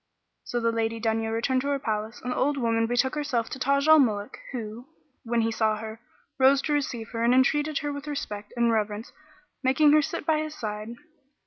So the Lady Dunya returned to her palace, and the old woman betook herself to Taj al Muluk who, when he saw her, rose to receive her and entreated her with respect and reverence making her sit by his side.